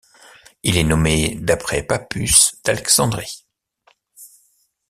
Il est nommé d'après Pappus d'Alexandrie.